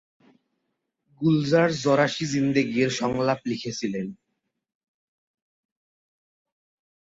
গুলজার "জরা সি জিন্দগি"র সংলাপ লিখেছিলেন।